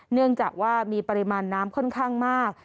เนื่องจากว่ามีปริมาณน้ำค่อนข้างมาก